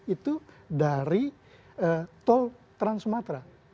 itu dari tol trans sumatera